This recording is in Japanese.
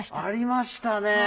ありましたね